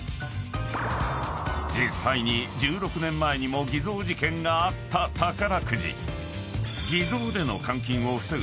［実際に１６年前にも偽造事件があった宝くじ］